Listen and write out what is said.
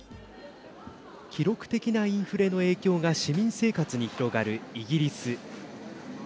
記録的なインフレの影響が市民生活に広がるイギリス。